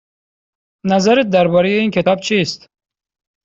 نظرت درباره این کتاب چیست؟